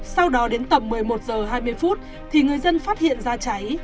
sau đó đến tầm một mươi một h hai mươi phút thì người dân phát hiện ra cháy